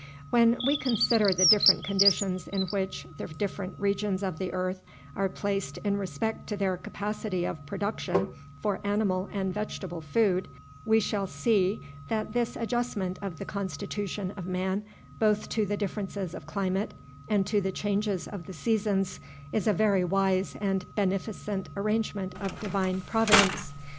When we consider the different conditions in which the different regions of the earth are placed in respect to their capacity of production for animal and vegetable food, we shall see that this adjustment of the constitution of man, both to the differences of climate and to the changes of the seasons, is a very wise and beneficent arrangement of Divine Providence.